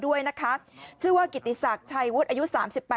โรดเจ้าเจ้าเจ้าเจ้าเจ้าเจ้าเจ้าเจ้าเจ้าเจ้าเจ้าเจ้าเจ้าเจ้า